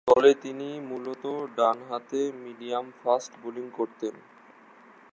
দলে তিনি মূলতঃ ডানহাতে মিডিয়াম-ফাস্ট বোলিং করতেন।